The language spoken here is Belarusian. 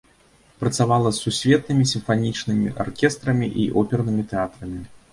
Працавала з сусветнымі сімфанічнымі аркестрамі і опернымі тэатрамі.